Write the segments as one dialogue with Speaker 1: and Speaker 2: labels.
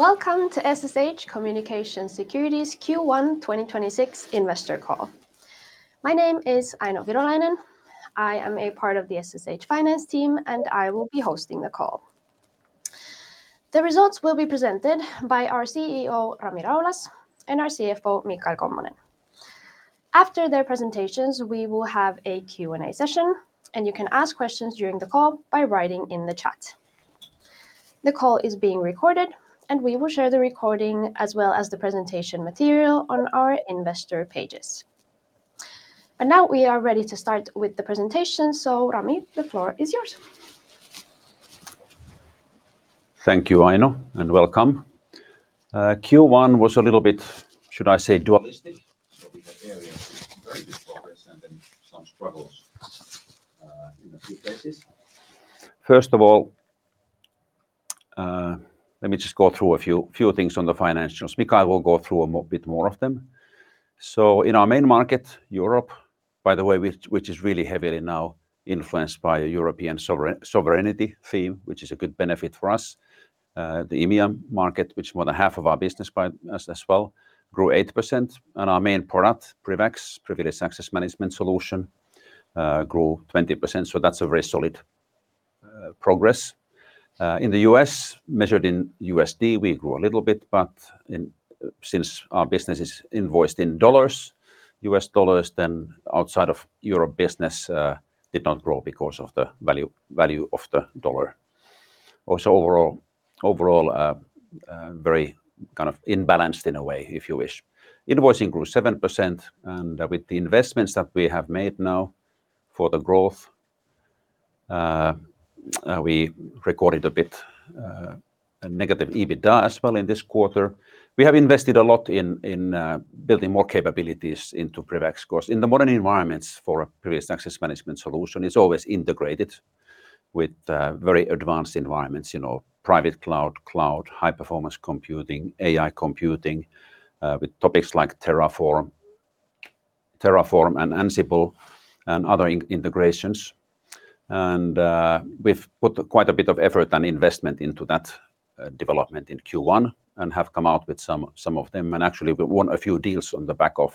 Speaker 1: Welcome to SSH Communications Security Q1 2026 investor call. My name is Aino Virolainen. I am a part of the SSH finance team, and I will be hosting the call. The results will be presented by our CEO, Rami Raulas, and our CFO, Michael Kommonen. After their presentations, we will have a Q&A session, and you can ask questions during the call by writing in the chat. The call is being recorded, and we will share the recording as well as the presentation material on our investor pages. Now we are ready to start with the presentation. Rami, the floor is yours.
Speaker 2: Thank you, Aino, and welcome. Q1 was a little bit, should I say, dualistic. We had areas with very good progress and then some struggles in a few places. First of all, let me just go through a few things on the financials. Michael will go through a bit more of them. In our main market, Europe, by the way, which is really heavily now influenced by a European sovereignty theme, which is a good benefit for us. The EMEA market, which is more than half of our business as well, grew 8%. Our main product, PrivX, Privileged Access Management Solution, grew 20%. That's a very solid progress. In the US, measured in USD, we grew a little bit, but since our business is invoiced in dollars, US dollars, then outside of Europe business did not grow because of the value of the dollar. Also overall, very kind of imbalanced in a way, if you wish. Invoicing grew 7%, and with the investments that we have made now for the growth, we recorded a negative EBITDA as well in this quarter. We have invested a lot in building more capabilities into PrivX, of course. In the modern environments for a Privileged Access Management solution is always integrated with very advanced environments, you know, private cloud, high-performance computing, AI computing, with topics like Terraform and Ansible and other integrations. We've put quite a bit of effort and investment into that development in Q1 and have come out with some of them, and actually we won a few deals on the back of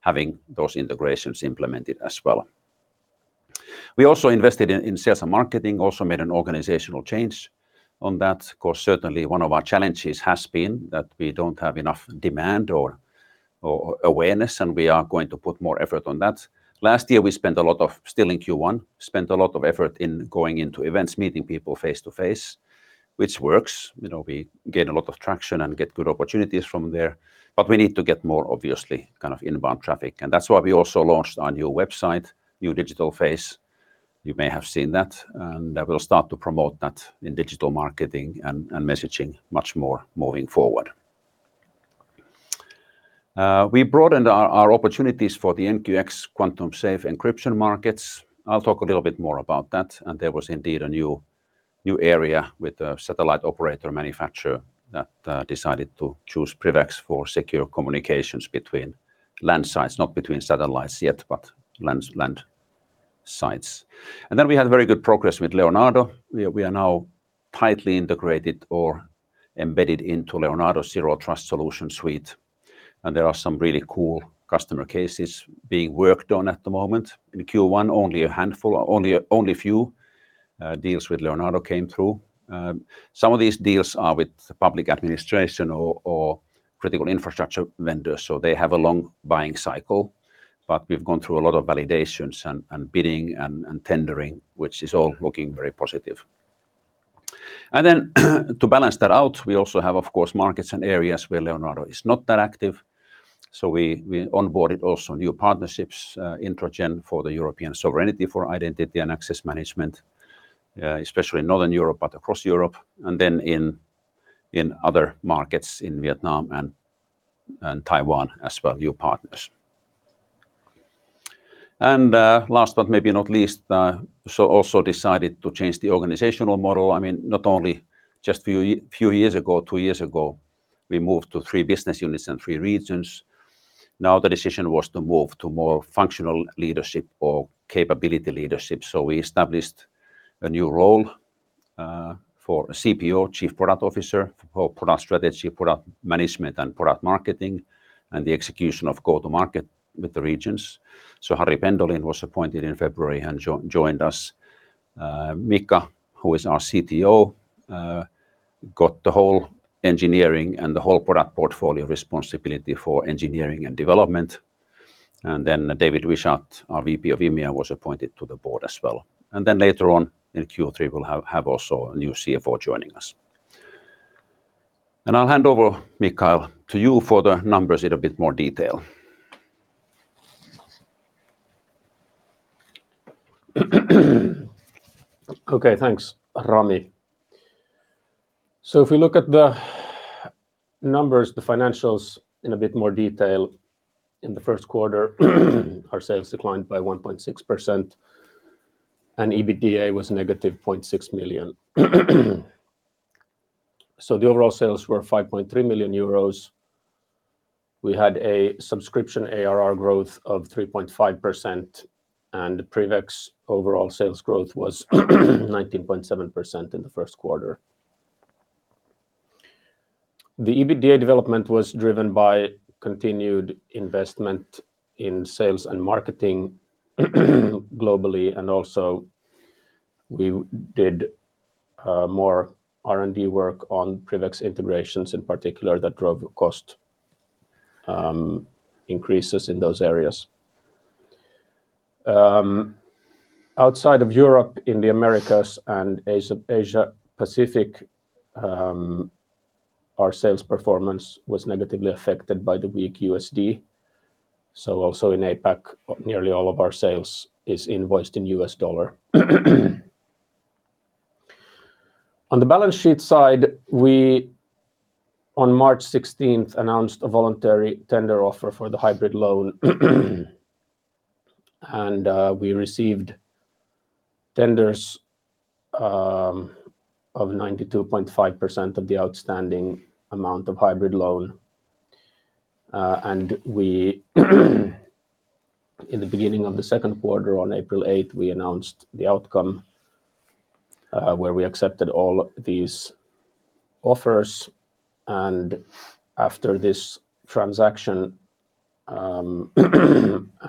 Speaker 2: having those integrations implemented as well. We also invested in sales and marketing, also made an organizational change on that. Of course, certainly one of our challenges has been that we don't have enough demand or awareness, and we are going to put more effort on that. Still in Q1, we spent a lot of effort in going into events, meeting people face-to-face, which works. You know, we gain a lot of traction and get good opportunities from there. We need to get more obviously kind of inbound traffic. That's why we also launched our new website, new digital face. You may have seen that, and we'll start to promote that in digital marketing and messaging much more moving forward. We broadened our opportunities for the NQX quantum-safe encryption markets. I'll talk a little bit more about that. There was indeed a new area with a satellite operator manufacturer that decided to choose PrivX for secure communications between land sites, not between satellites yet, but land sites. We had very good progress with Leonardo. We are now tightly integrated or embedded into Leonardo Zero Trust solution suite. There are some really cool customer cases being worked on at the moment. In Q1, only a few deals with Leonardo came through. Some of these deals are with public administration or critical infrastructure vendors, so they have a long buying cycle. We've gone through a lot of validations and bidding and tendering, which is all looking very positive. To balance that out, we also have, of course, markets and areas where Leonardo is not that active. We onboarded also new partnerships, Intragen for the European Sovereignty for Identity and Access Management, especially in Northern Europe, but across Europe, and then in other markets in Vietnam and Taiwan as well, new partners. Last but maybe not least, we also decided to change the organizational model. I mean, not only just few years ago, two years ago, we moved to three business units and three regions. Now, the decision was to move to more functional leadership or capability leadership. We established a new role for CPO, Chief Product Officer, for product strategy, product management and product marketing, and the execution of go-to-market with the regions. Harri Pendolin was appointed in February and joined us. Miikka, who is our CTO, got the whole engineering and the whole product portfolio responsibility for engineering and development. David Wishart, our VP of EMEA, was appointed to the board as well. Later on in Q3, we'll have also a new CFO joining us. I'll hand over, Michael, to you for the numbers in a bit more detail.
Speaker 3: Okay, thanks, Rami. If we look at the numbers, the financials in a bit more detail, in the first quarter, our sales declined by 1.6%, and EBITDA was -0.6 million. The overall sales were 5.3 million euros. We had a subscription ARR growth of 3.5% and PrivX overall sales growth was 19.7% in the first quarter. The EBITDA development was driven by continued investment in sales and marketing globally, and also we did more R&D work on PrivX integrations in particular that drove cost increases in those areas. Outside of Europe, in the Americas and Asia Pacific, our sales performance was negatively affected by the weak U.S. dollar. Also in APAC, nearly all of our sales is invoiced in US dollar. On the balance sheet side, we, on March 16th, announced a voluntary tender offer for the hybrid loan, and we received tenders of 92.5% of the outstanding amount of hybrid loan. We, in the beginning of the second quarter, on April 8, announced the outcome where we accepted all these offers. After this transaction and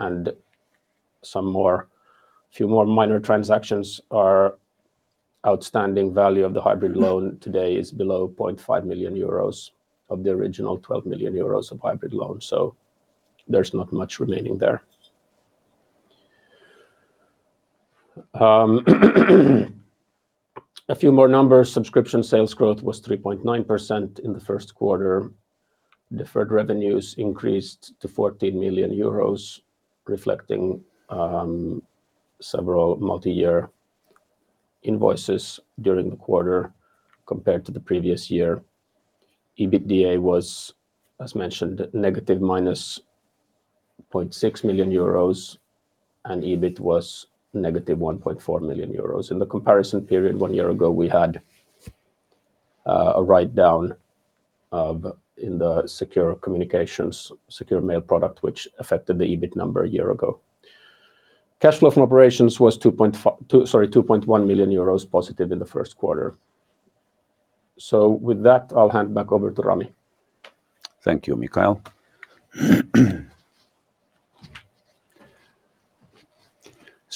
Speaker 3: a few more minor transactions, our outstanding value of the hybrid loan today is below 0.5 million euros of the original 12 million euros hybrid loan. There's not much remaining there. A few more numbers. Subscription sales growth was 3.9% in the first quarter. Deferred revenues increased to 14 million euros, reflecting several multi-year invoices during the quarter compared to the previous year. EBITDA was, as mentioned, -0.6 million euros, and EBIT was -1.4 million euros. In the comparison period one year ago, we had a write-down in the secure communications secure mail product, which affected the EBIT number a year ago. Cash flow from operations was, sorry, 2.1 million euros positive in the first quarter. With that, I'll hand back over to Rami.
Speaker 2: Thank you, Michael.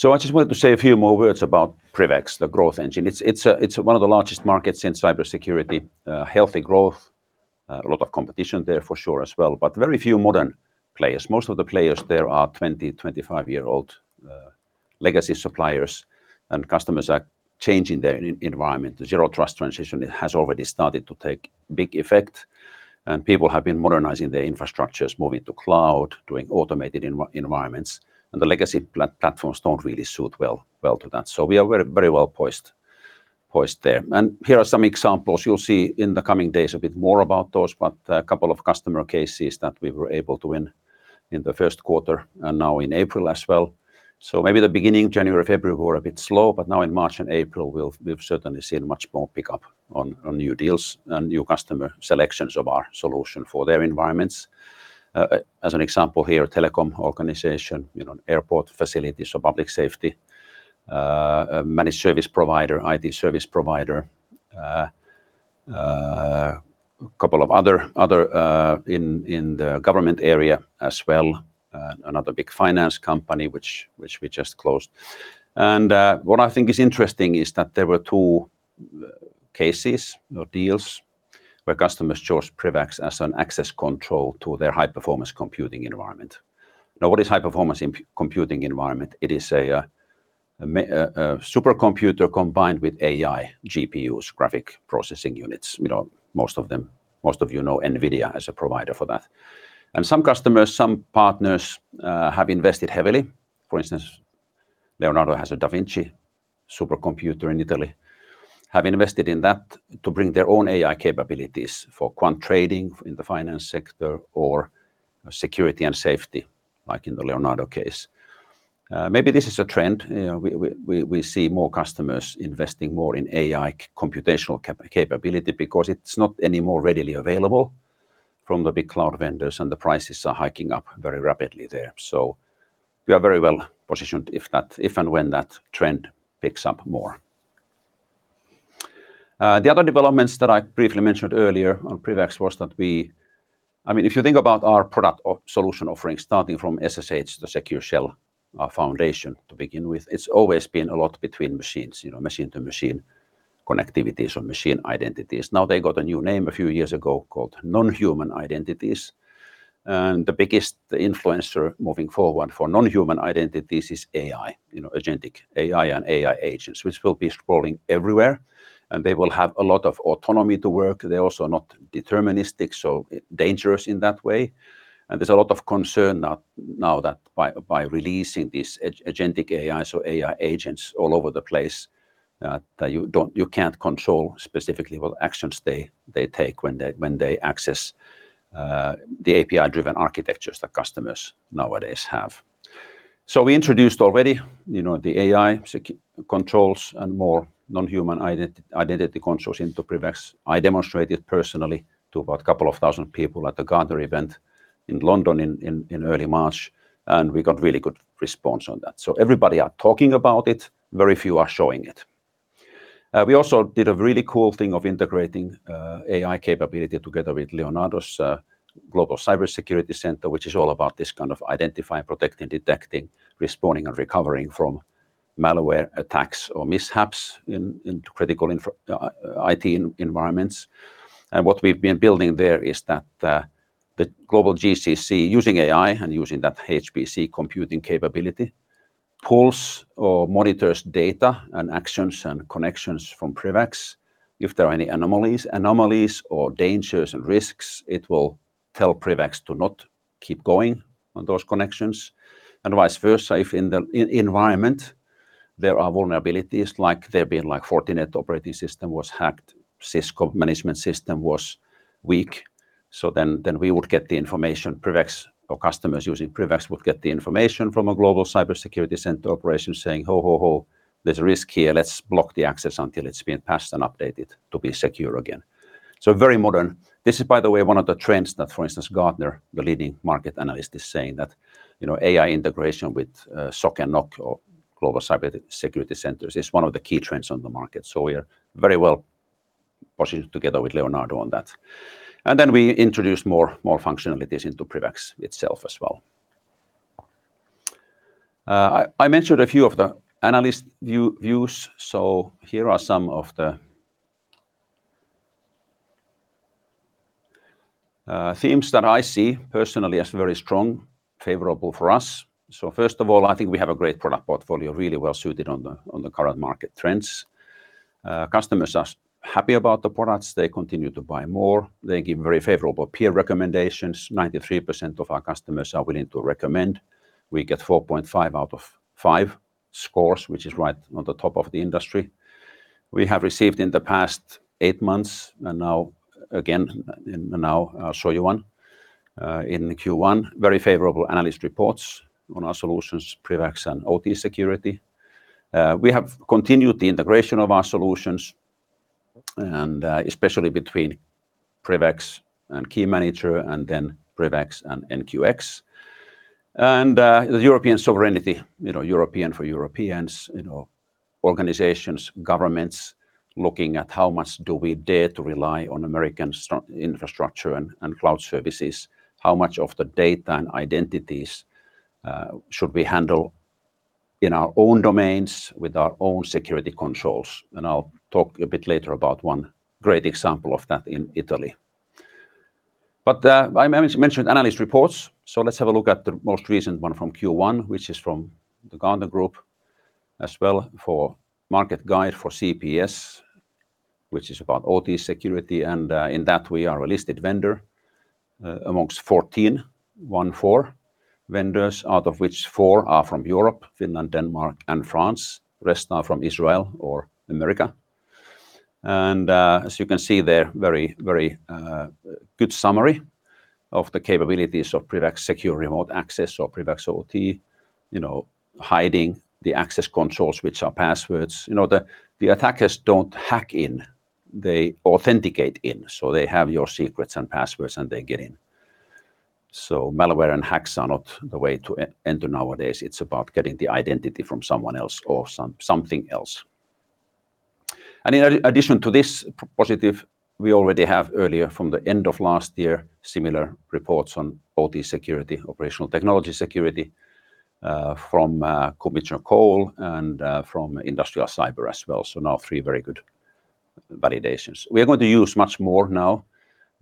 Speaker 2: I just wanted to say a few more words about PrivX, the growth engine. It's one of the largest markets in cybersecurity, healthy growth, a lot of competition there for sure as well, but very few modern players. Most of the players there are 20- to 25-year-old legacy suppliers, and customers are changing their environment. The Zero Trust transition has already started to take big effect, and people have been modernizing their infrastructures, moving to cloud, doing automated environments, and the legacy platforms don't really suit well to that. We are very well poised there. Here are some examples. You'll see in the coming days a bit more about those, but a couple of customer cases that we were able to win in the first quarter and now in April as well. Maybe the beginning, January, February, were a bit slow, but now in March and April, we've certainly seen much more pickup on new deals and new customer selections of our solution for their environments. As an example here, telecom organization, you know, airport facilities, so public safety, managed service provider, IT service provider, couple of other in the government area as well, another big finance company which we just closed. What I think is interesting is that there were two cases or deals where customers chose PrivX as an access control to their high-performance computing environment. Now, what is high-performance computing environment? It is a supercomputer combined with AI, GPUs, graphic processing units. You know, most of you know NVIDIA as a provider for that. Some customers, some partners have invested heavily. For instance, Leonardo has a davinci-1 in Italy, have invested in that to bring their own AI capabilities for quant trading in the finance sector or security and safety, like in the Leonardo case. Maybe this is a trend. You know, we see more customers investing more in AI computational capability because it's not any more readily available from the big cloud vendors, and the prices are hiking up very rapidly there. We are very well-positioned if that, if and when that trend picks up more. The other developments that I briefly mentioned earlier on PrivX was that we... I mean, if you think about our product or solution offering, starting from SSH, the Secure Shell Foundation to begin with, it's always been a lot between machines, you know, machine-to-machine connectivities or machine identities. Now, they got a new name a few years ago called non-human identities, and the biggest influencer moving forward for non-human identities is AI, you know, agentic AI and AI agents, which will be sprawling everywhere, and they will have a lot of autonomy to work. They're also not deterministic, so dangerous in that way. There's a lot of concern now that by releasing these agentic AI, so AI agents all over the place, that you can't control specifically what actions they take when they access the API-driven architectures that customers nowadays have. We introduced already, you know, the AI security controls and more non-human identity controls into PrivX. I demonstrated personally to about a couple of thousand people at the Gartner event in London in early March, and we got really good response on that. Everybody are talking about it, very few are showing it. We also did a really cool thing of integrating AI capability together with Leonardo's Global CyberSec Center, which is all about this kind of identify, protect, and detecting, responding, and recovering from malware attacks or mishaps in critical IT environments. What we've been building there is that the Global CyberSec Center, using AI and using that HPC computing capability, pulls or monitors data and actions and connections from PrivX. If there are any anomalies or dangers and risks, it will tell PrivX to not keep going on those connections and vice versa. If in the environment there are vulnerabilities like there being like Fortinet operating system was hacked, Cisco management system was weak, so then we would get the information, PrivX or customers using PrivX would get the information from a Global CyberSec Center operation saying, "Ho, ho. There's a risk here. Let's block the access until it's been patched and updated to be secure again." Very modern. This is, by the way, one of the trends that, for instance, Gartner, the leading market analyst, is saying that, you know, AI integration with SOC and NOC or global cybersecurity centers is one of the key trends on the market. We are very well positioned together with Leonardo on that. We introduced more functionalities into PrivX itself as well. I mentioned a few of the analyst views, so here are some of the themes that I see personally as very strong, favorable for us. First of all, I think we have a great product portfolio, really well suited to the current market trends. Customers are happy about the products. They continue to buy more. They give very favorable peer recommendations. 93% of our customers are willing to recommend. We get 4.5 out of 5 scores, which is right on the top of the industry. We have received in the past eight months, and now again I'll show you one in Q1, very favorable analyst reports on our solutions, PrivX and OT security. We have continued the integration of our solutions and, especially between PrivX and Key Manager and then PrivX and NQX. The European sovereignty, you know, European for Europeans, you know, organizations, governments looking at how much do we dare to rely on American infrastructure and cloud services, how much of the data and identities should we handle in our own domains with our own security controls. I'll talk a bit later about one great example of that in Italy. The... I mentioned analyst reports, so let's have a look at the most recent one from Q1, which is from Gartner as well for Market Guide for CPS, which is about OT security, and in that we are a listed vendor amongst 14 vendors, out of which four are from Europe, Finland, Denmark, and France. Rest are from Israel or America. As you can see there, very good summary of the capabilities of PrivX Secure Remote Access or PrivX OT, you know, hiding the access controls, which are passwords. You know, the attackers don't hack in, they authenticate in, so they have your secrets and passwords, and they get in. So malware and hacks are not the way to enter nowadays. It's about getting the identity from someone else or something else. In addition to this positive, we already have earlier from the end of last year similar reports on OT security, operational technology security, from KuppingerCole and from Industrial Cyber as well, so now three very good validations. We are going to use much more now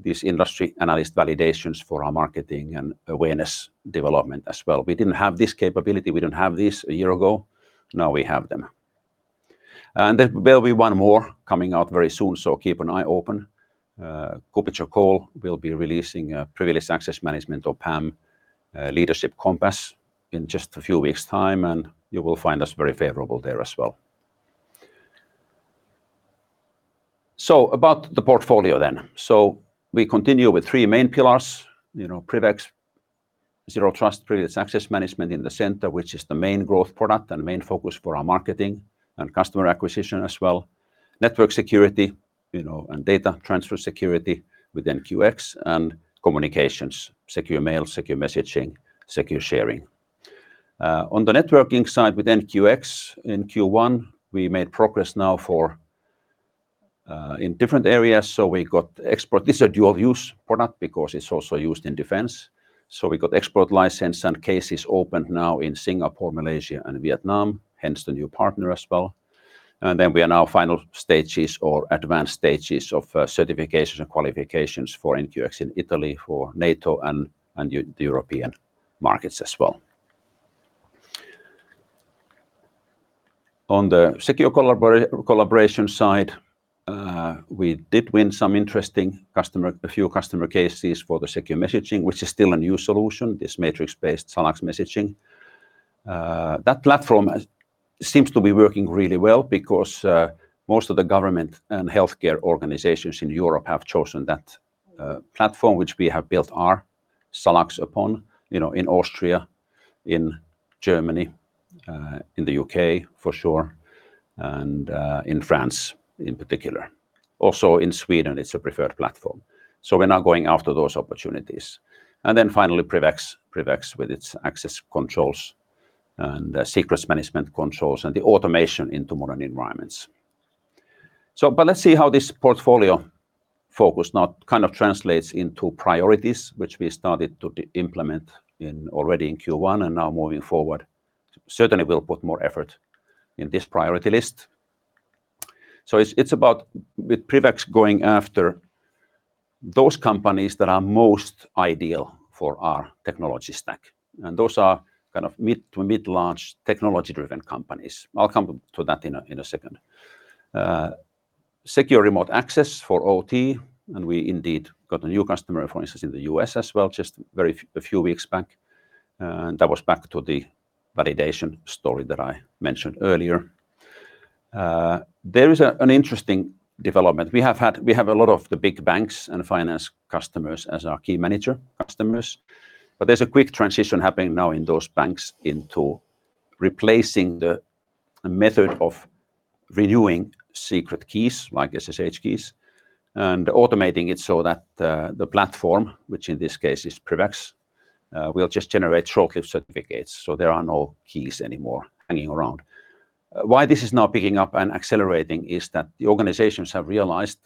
Speaker 2: this industry analyst validations for our marketing and awareness development as well. We didn't have this capability. We didn't have this a year ago. Now we have them. Then there will be one more coming out very soon, so keep an eye open. KuppingerCole will be releasing a Privileged Access Management or PAM, Leadership Compass in just a few weeks' time, and you will find us very favorable there as well. About the portfolio then. We continue with three main pillars. You know, PrivX, Zero Trust Privileged Access Management in the center, which is the main growth product and main focus for our marketing and customer acquisition as well, network security, you know, and data transfer security with NQX and communications, secure mail, secure messaging, secure sharing. On the networking side with NQX in Q1, we made progress now in different areas, so we got export. This is a dual use product because it's also used in defense. We got export license and cases opened now in Singapore, Malaysia, and Vietnam, hence the new partner as well. We are now in final stages or advanced stages of certifications and qualifications for NQX in Italy, for NATO and European markets as well. On the secure collaboration side, we did win some interesting, a few customer cases for the secure messaging, which is still a new solution, this Matrix-based Slack's messaging. That platform seems to be working really well because most of the government and healthcare organizations in Europe have chosen that platform which we have built our SalaX upon, you know, in Austria, in Germany, the U.K. for sure, and in France in particular. Also in Sweden, it's a preferred platform. We're now going after those opportunities. Finally, PrivX with its access controls and secrets management controls and the automation into modern environments. Let's see how this portfolio focus now kind of translates into priorities, which we started to implement already in Q1 and now moving forward. Certainly we'll put more effort in this priority list. It's about with PrivX going after those companies that are most ideal for our technology stack. Those are kind of mid to mid-large technology-driven companies. I'll come to that in a second. Secure remote access for OT, and we indeed got a new customer, for instance, in the U.S. as well just a few weeks back. That was back to the validation story that I mentioned earlier. There is an interesting development. We have a lot of the big banks and finance customers as our key manager customers. There's a quick transition happening now in those banks into replacing the method of renewing secret keys, like SSH keys, and automating it so that the platform, which in this case is PrivX, will just generate short-lived certificates. There are no keys anymore hanging around. Why this is now picking up and accelerating is that the organizations have realized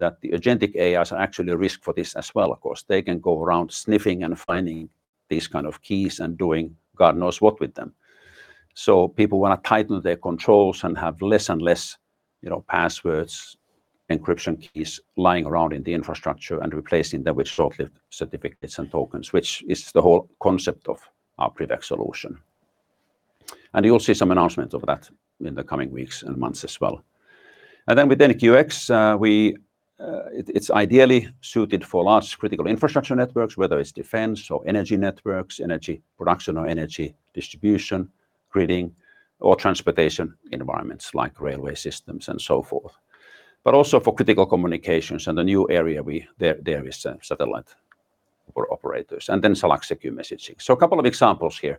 Speaker 2: that the agentic AIs are actually a risk for this as well, of course. They can go around sniffing and finding these kind of keys and doing God knows what with them. People wanna tighten their controls and have less and less, you know, passwords, encryption keys lying around in the infrastructure and replacing them with short-lived certificates and tokens, which is the whole concept of our PrivX solution. You'll see some announcements of that in the coming weeks and months as well. With NQX, it's ideally suited for large critical infrastructure networks, whether it's defense or energy networks, energy production or energy distribution, creating or transportation environments like railway systems and so forth, but also for critical communications and the new area, satellite for operators, and then SalaX secure messaging. A couple of examples here.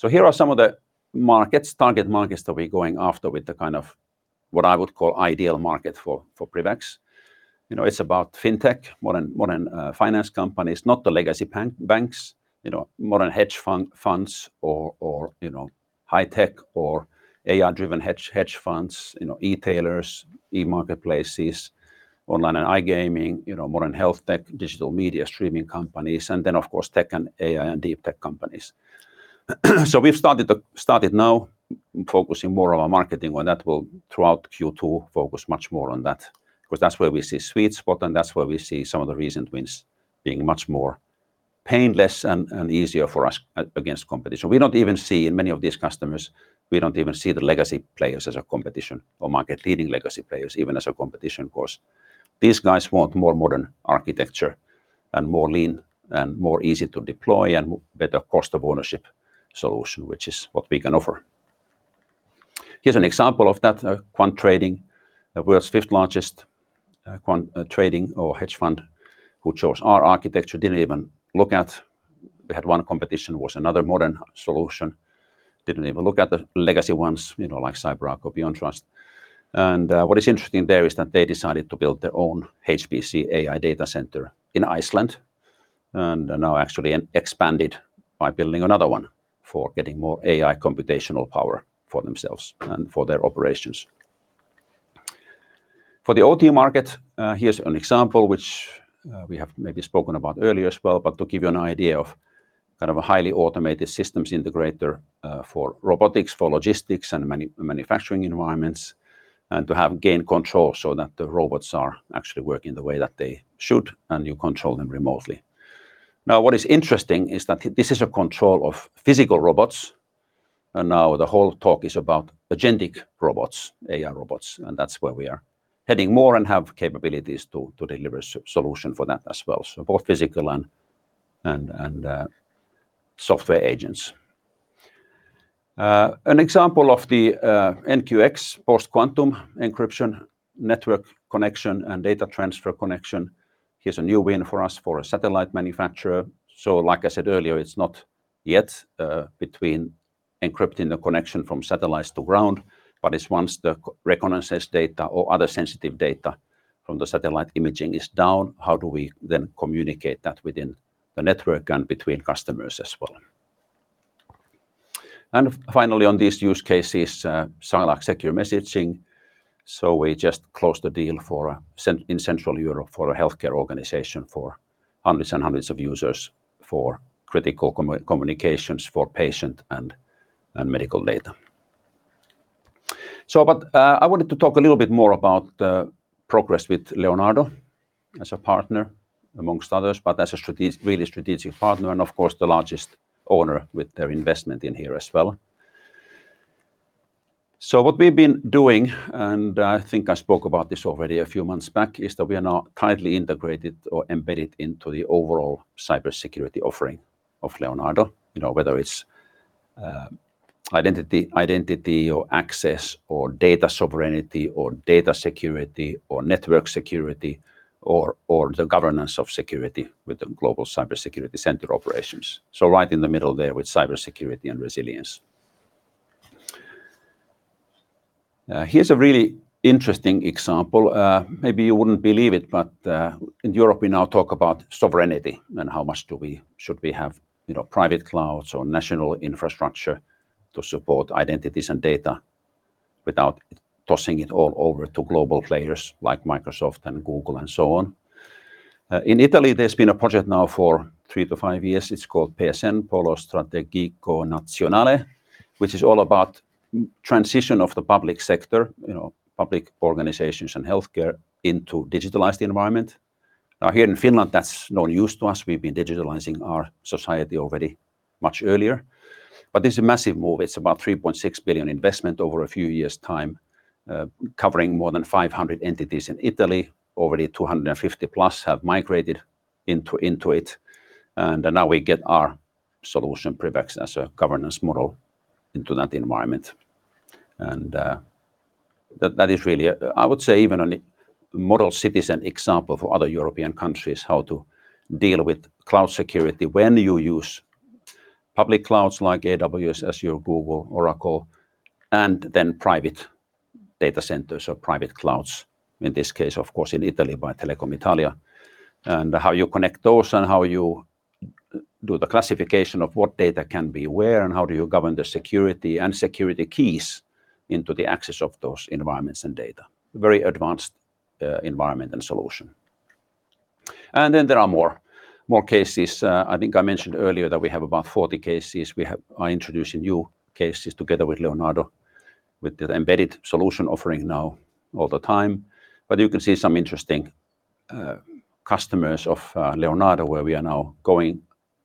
Speaker 2: Here are some of the markets, target markets that we're going after with the kind of what I would call ideal market for PrivX. You know, it's about fintech, modern finance companies, not the legacy banks, you know, modern hedge funds or, you know, high tech or AI-driven hedge funds, you know, e-tailers, e-marketplaces, online and iGaming, you know, modern health tech, digital media streaming companies, and then of course tech and AI and deep tech companies. We've started now focusing more on our marketing on that. We'll throughout Q2 focus much more on that because that's where we see sweet spot and that's where we see some of the recent wins being much more painless and easier for us against competition. We don't even see, in many of these customers, the legacy players as a competition or market-leading legacy players even as a competition, of course. These guys want more modern architecture and more lean and more easy to deploy and better cost of ownership solution, which is what we can offer. Here's an example of that, quant trading, the world's fifth largest quant trading or hedge fund who chose our architecture. Didn't even look at. They had one competition, was another modern solution. Didn't even look at the legacy ones, you know, like CyberArk or BeyondTrust. What is interesting there is that they decided to build their own HPC AI data center in Iceland and now actually expanded by building another one for getting more AI computational power for themselves and for their operations. For the OT market, here's an example which we have maybe spoken about earlier as well, but to give you an idea of kind of a highly automated systems integrator for robotics, for logistics and manufacturing environments and to have gained control so that the robots are actually working the way that they should and you control them remotely. Now, what is interesting is that this is a control of physical robots and now the whole talk is about agentic robots, AI robots, and that's where we are heading more and have capabilities to deliver solution for that as well. Both physical and software agents. An example of the NQX post-quantum encryption network connection and data transfer connection. Here's a new win for us for a satellite manufacturer. Like I said earlier, it's not yet between encrypting the connection from satellites to ground, but it's once the reconnaissance data or other sensitive data from the satellite imaging is down, how do we then communicate that within the network and between customers as well. Finally, on these use cases, SalaX secure messaging. We just closed the deal in Central Europe for a healthcare organization for hundreds and hundreds of users for critical communications for patient and medical data. I wanted to talk a little bit more about the progress with Leonardo as a partner among others, but as a really strategic partner and of course the largest owner with their investment in here as well. What we've been doing, and I think I spoke about this already a few months back, is that we are now tightly integrated or embedded into the overall cybersecurity offering of Leonardo, you know, whether it's identity or access or data sovereignty or data security or network security or the governance of security with the Global CyberSec Center Operations. Right in the middle there with cybersecurity and resilience. Here's a really interesting example. Maybe you wouldn't believe it, but in Europe we now talk about sovereignty and should we have, you know, private clouds or national infrastructure to support identities and data without tossing it all over to global players like Microsoft and Google and so on. In Italy there's been a project now for three to five years. It's called PSN, Polo Strategico Nazionale, which is all about transition of the public sector, you know, public organizations and healthcare into digitalized environment. Now, here in Finland, that's no news to us. We've been digitalizing our society already much earlier. This is a massive move. It's about 3.6 billion investment over a few years' time, covering more than 500 entities in Italy. Already 250+ have migrated into it. Now we get our solution PrivX as a governance model into that environment. That is really a model citizen example for other European countries how to deal with cloud security when you use public clouds like AWS, Azure, Google, Oracle, and then private data centers or private clouds, in this case of course in Italy by Telecom Italia, and how you connect those and how you do the classification of what data can be where and how do you govern the security and security keys into the access of those environments and data. Very advanced environment and solution. Then there are more cases. I think I mentioned earlier that we have about 40 cases. We are introducing new cases together with Leonardo with the embedded solution offering now all the time. You can see some interesting customers of Leonardo where we are now going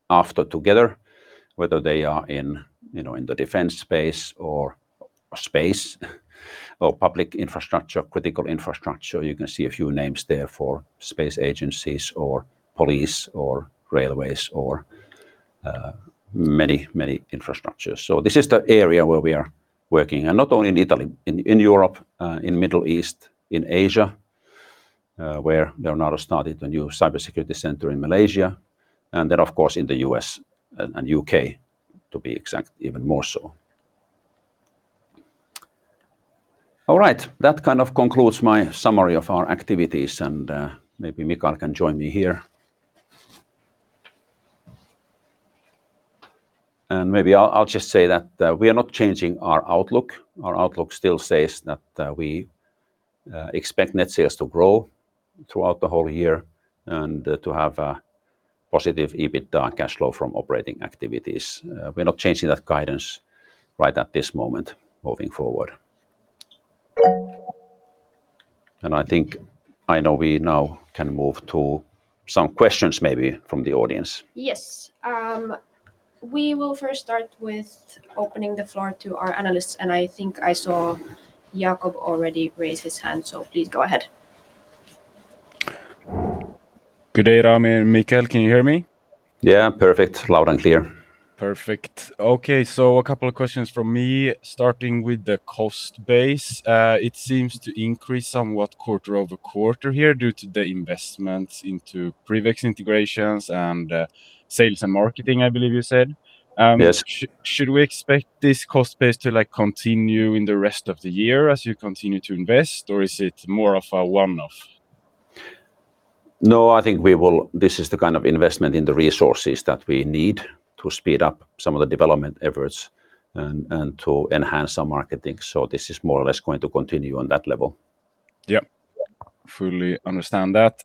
Speaker 2: after together, whether they are in, you know, in the defense space or space or public infrastructure, critical infrastructure. You can see a few names there for space agencies or police or railways or many, many infrastructures. This is the area where we are working, and not only in Italy, in Europe, in Middle East, in Asia, where Leonardo started a new cybersecurity center in Malaysia, and then of course in the U.S. and U.K. to be exact, even more so. All right. That kind of concludes my summary of our activities, and maybe Michael can join me here. Maybe I'll just say that we are not changing our outlook. Our outlook still says that we expect net sales to grow throughout the whole year and to have a positive EBITDA cash flow from operating activities. We're not changing that guidance right at this moment moving forward. I think, I know we now can move to some questions maybe from the audience.
Speaker 1: Yes. We will first start with opening the floor to our analysts, and I think I saw Jakob already raise his hand, so please go ahead.
Speaker 4: Good day, Rami and Michael. Can you hear me?
Speaker 2: Yeah. Perfect. Loud and clear.
Speaker 4: Perfect. Okay, a couple of questions from me, starting with the cost base. It seems to increase somewhat quarter-over-quarter here due to the investments into PrivX integrations and sales and marketing, I believe you said.
Speaker 2: Yes.
Speaker 4: Should we expect this cost base to, like, continue in the rest of the year as you continue to invest, or is it more of a one-off?
Speaker 2: No, I think this is the kind of investment in the resources that we need to speed up some of the development efforts and to enhance our marketing. This is more or less going to continue on that level.
Speaker 4: Yeah. I fully understand that.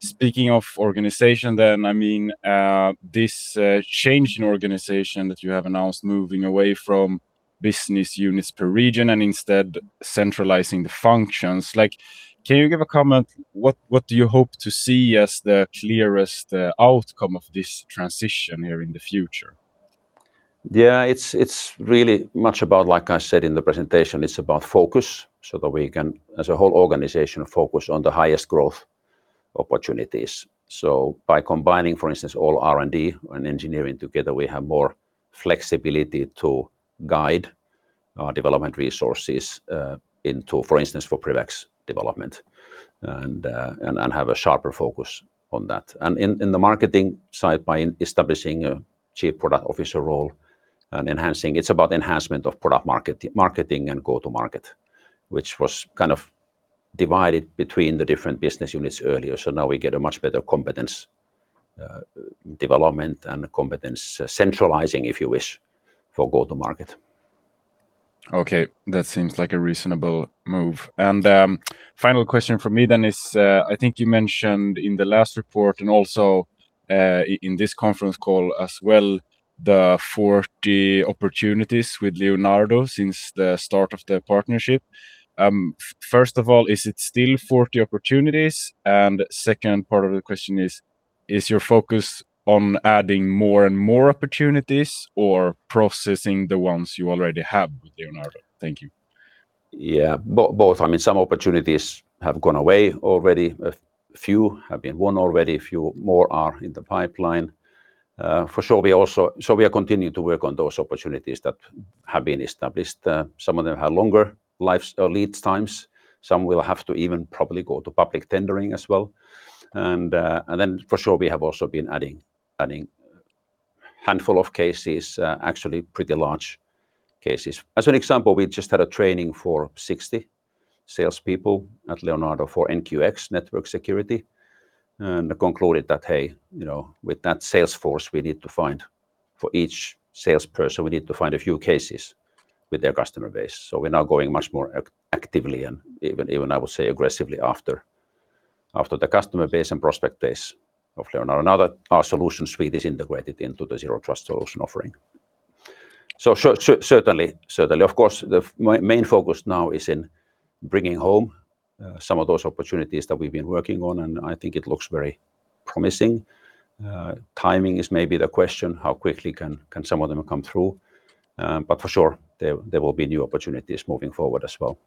Speaker 4: Speaking of organization then, I mean, this change in organization that you have announced moving away from business units per region and instead centralizing the functions. Like, can you give a comment what do you hope to see as the clearest outcome of this transition here in the future?
Speaker 2: Yeah. It's really much about, like I said in the presentation, it's about focus so that we can, as a whole organization, focus on the highest growth opportunities. By combining, for instance, all R&D and engineering together, we have more flexibility to guide our development resources into, for instance, PrivX development and have a sharper focus on that. In the marketing side, by establishing a Chief Product Officer role and enhancing product marketing and go-to-market, which was kind of divided between the different business units earlier. Now we get a much better competence development and competence centralizing, if you wish, for go-to-market.
Speaker 4: Okay. That seems like a reasonable move. Final question from me is, I think you mentioned in the last report and also, in this conference call as well the 40 opportunities with Leonardo since the start of the partnership. First of all, is it still 40 opportunities? Second part of the question is your focus on adding more and more opportunities or processing the ones you already have with Leonardo? Thank you.
Speaker 2: Yeah, both. I mean, some opportunities have gone away already. A few have been won already. A few more are in the pipeline. For sure we also are continuing to work on those opportunities that have been established. Some of them have longer lives, lead times. Some will have to even probably go to public tendering as well. Then for sure we have also been adding handful of cases, actually pretty large cases. As an example, we just had a training for 60 salespeople at Leonardo for NQX network security, and concluded that, hey, you know, with that sales force, we need to find for each salesperson, we need to find a few cases with their customer base. We're now going much more actively and even I would say aggressively after the customer base and prospect base of Leonardo. Now that our solution suite is integrated into the Zero Trust solution offering. Certainly. Of course, the main focus now is in bringing home some of those opportunities that we've been working on, and I think it looks very promising. Timing is maybe the question, how quickly can some of them come through? For sure there will be new opportunities moving forward as well.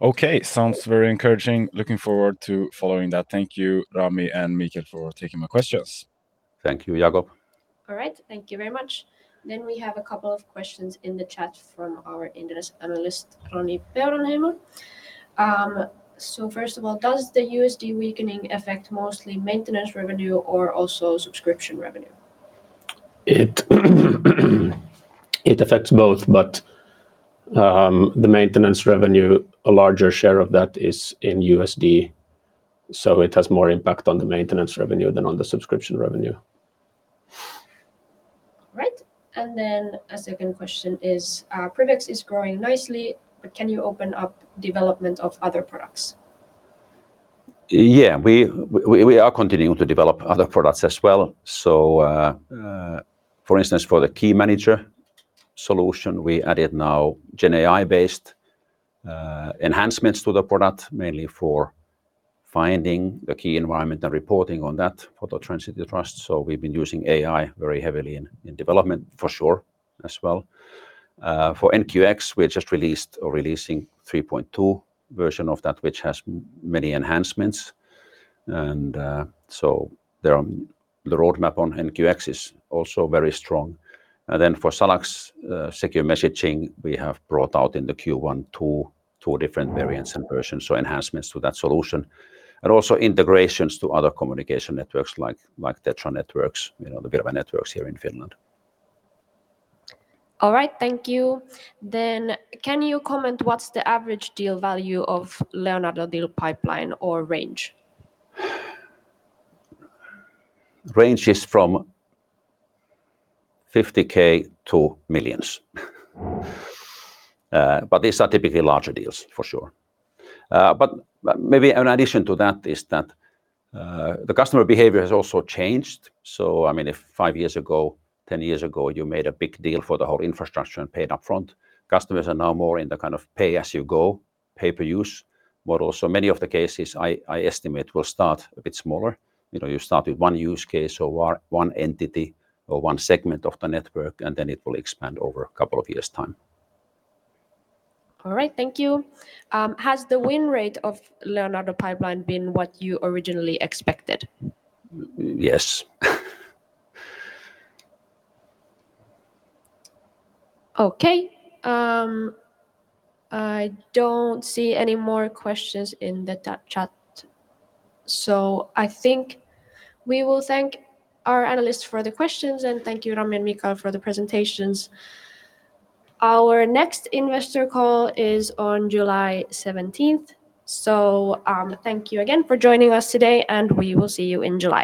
Speaker 4: Okay. Sounds very encouraging. Looking forward to following that. Thank you, Rami and Michael, for taking my questions.
Speaker 2: Thank you, Jakob.
Speaker 1: All right. Thank you very much. We have a couple of questions in the chat from our analyst, Roni Pärssinen. First of all, does the USD weakening affect mostly maintenance revenue or also subscription revenue?
Speaker 3: It affects both, but the maintenance revenue, a larger share of that is in USD, so it has more impact on the maintenance revenue than on the subscription revenue.
Speaker 1: Right. A second question is, PrivX is growing nicely, but can you open up development of other products?
Speaker 2: We are continuing to develop other products as well. For instance, for the Key Manager solution, we added now GenAI-based enhancements to the product, mainly for finding the key environment and reporting on that for the Zero Trust. We've been using AI very heavily in development for sure as well. For NQX, we just released or releasing 3.2 version of that which has many enhancements. The roadmap on NQX is also very strong. For SalaX, secure messaging, we have brought out in the Q1 two different variants and versions, so enhancements to that solution, and also integrations to other communication networks like TETRA networks, you know, the government networks here in Finland.
Speaker 1: All right. Thank you. Can you comment what's the average deal value of Leonardo deal pipeline or range?
Speaker 2: Range is from EUR 50,000 to millions. These are typically larger deals for sure. Maybe an addition to that is that the customer behavior has also changed. I mean, if five years ago, 10 years ago, you made a big deal for the whole infrastructure and paid upfront, customers are now more in the kind of pay as you go, pay per use model. Many of the cases I estimate will start a bit smaller. You know, you start with one use case or one entity or one segment of the network, and then it will expand over a couple of years' time.
Speaker 1: All right. Thank you. Has the win rate of Leonardo pipeline been what you originally expected?
Speaker 2: Yes.
Speaker 1: Okay. I don't see any more questions in the chat, so I think we will thank our analysts for the questions, and thank you Rami and Michael for the presentations. Our next investor call is on July 17th. Thank you again for joining us today, and we will see you in July.